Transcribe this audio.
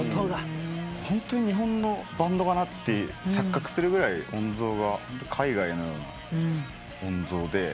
ホントに日本のバンドかなって錯覚するぐらい音像が海外のような音像で。